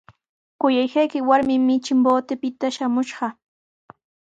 Kuyanqayki warmimi Chimbotepita traamushqa.